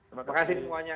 terima kasih semuanya